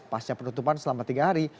pasca penutupan selama tiga hari